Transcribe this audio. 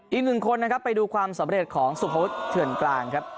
อีกหนึ่งคนนะครับไปดูความสำเร็จของสุภวุฒิเถื่อนกลางครับ